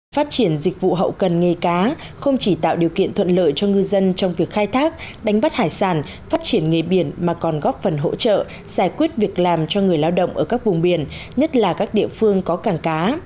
phát triển dịch vụ hậu cần nghề cá không chỉ tạo điều kiện thuận lợi cho ngư dân trong việc khai thác đánh bắt hải sản phát triển nghề biển mà còn góp phần hỗ trợ giải quyết việc làm cho người lao động ở các vùng biển nhất là các địa phương có cảng cá